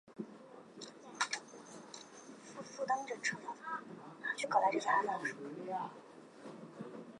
后来他被告假报财政信息和欺骗银行。